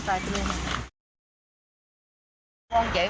พอได้ยินเสียงนั้นถามว่าหยุบใครหยุบใครก็ววงสายเต็ม